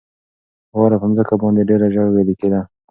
واوره په مځکه باندې ډېره ژر ویلي کېده.